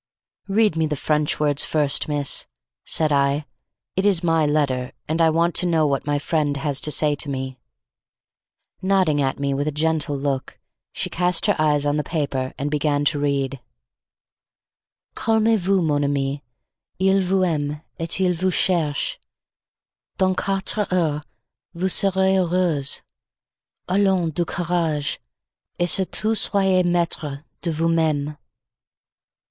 "Read me the French words first, miss," said I. "It is my letter and I want to know what my friend has to say to me." Nodding at me with a gentle look, she cast her eyes on the paper and began to read: "Calmez vous, mon amie, il vous aime et il vous cherche. Dans quatre heures vous serez heureuse. Allons du courage, et surtout soyez maitre de vous meme."